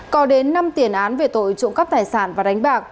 có đến năm tiền án về tội trộm cắp tài sản và đánh bạc